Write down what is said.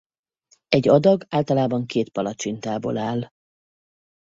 Egy adag általában két palacsintából áll.